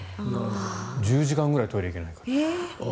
１０時間ぐらいトイレ行けないから。